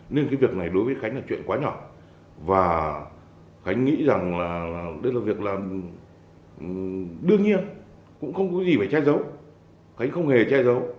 dương văn khánh quen biết vũ thanh mạnh